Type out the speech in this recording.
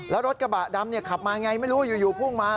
แล้วรถกระบะดำขับมาไงไม่รู้อยู่พุ่งมา